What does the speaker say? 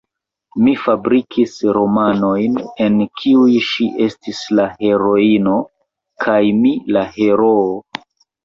Mi fabrikis romanojn, en kiuj ŝi estis la heroino, kaj mi la heroo.